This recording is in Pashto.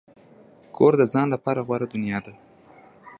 کور د ځان لپاره غوره دنیا ده.